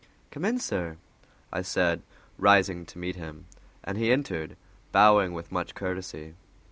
"Come in, sir," I said, rising to meet him; and he entered, bowing with much courtesy.